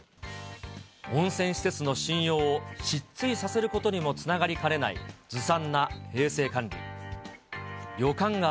温泉施設の信用を失墜させることにもつながりかねないずさんな衛生管理。